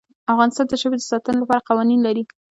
افغانستان د ژبې د ساتنې لپاره قوانین لري.